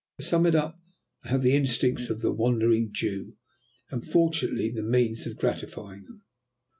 To sum it up, I have the instincts of the Wandering Jew, and fortunately the means of gratifying them."